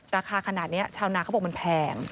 ราคาขนาดนี้ชาวนาเขาบอกมันแพง